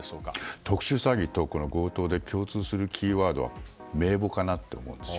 特殊詐欺と強盗で共通するキーワードは名簿かなと思うんですよ。